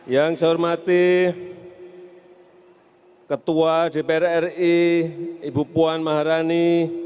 yang saya hormati ketua dpr ri ibu puan maharani